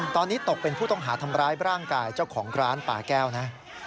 ตอนนี้ตกเป็นผู้ต้องหาทำร้ายร่างกายเจ้าของร้านป่าแก้วนะ